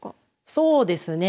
そうですね。